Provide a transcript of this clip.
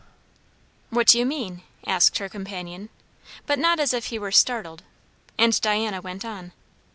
"What do you mean?" asked her companion, but not as if he were startled, and Diana went on.